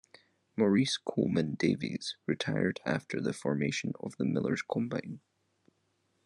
Maurice Coleman Davies retired after the formation of the Millers Combine.